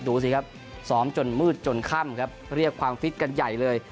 ดูสิครับซ้อมจนมืดจนค่ำครับเรียกความฟิตกันใหญ่เลย